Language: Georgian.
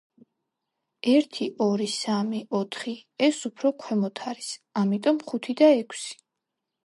ერთი, ორი, სამი, ოთხი, ეს უფრო ქვემოთ არის, ამიტომ, ხუთი და ექვსი.